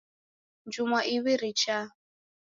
Njumwa iw'i richaa.